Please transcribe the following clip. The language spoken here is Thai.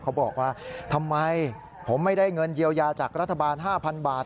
เขาบอกว่าทำไมผมไม่ได้เงินเยียวยาจากรัฐบาล๕๐๐บาท